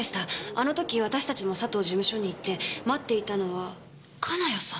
あの時私たちも佐藤事務所に行って待っていたのは金谷さん。